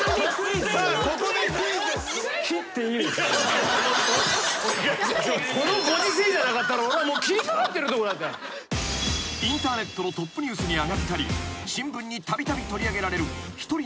［インターネットのトップニュースに上がったり新聞にたびたび取り上げられる一人の一般女性がいる］